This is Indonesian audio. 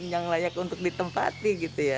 yang layak untuk ditempati gitu ya